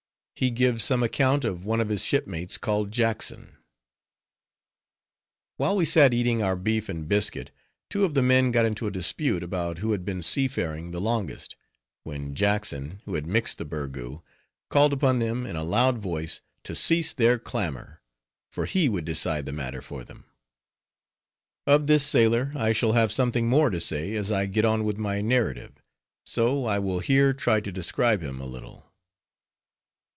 HE GIVES SOME ACCOUNT OF ONE OF HIS SHIPMATES CALLED JACKSON While we sat eating our beef and biscuit, two of the men got into a dispute, about who had been sea faring the longest; when Jackson, who had mixed the burgoo, called upon them in a loud voice to cease their clamor, for he would decide the matter for them. Of this sailor, I shall have something more to say, as I get on with my narrative; so, I will here try to describe him a little.